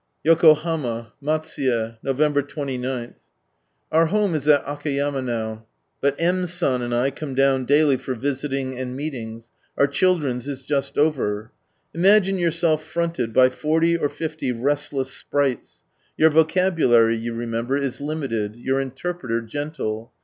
Yokohama. Matsuye. N<n\ 29. — Our home is at Akayama now, but M. San Out of Into 73 and I come down daily for visiting and meetings, our children's is just over. Imagine yourself fronted by forty or fifty restless sprites: your vocabulary, you remember, is limited, your interpreter gentle.